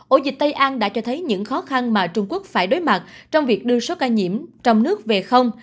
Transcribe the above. ổ dịch tây an đã cho thấy những khó khăn mà trung quốc phải đối mặt trong việc đưa số ca nhiễm trong nước về không